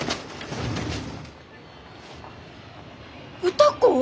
歌子！？